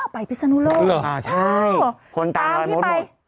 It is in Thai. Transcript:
ไปพิสนุโร่ใช่หรือเปล่าที่ไปอย่างนี้นะครับใช่คนตามพี่ไป